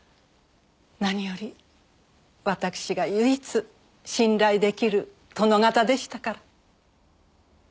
何よりわたくしが唯一信頼出来る殿方でしたから。